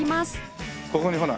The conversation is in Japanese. ここにほら。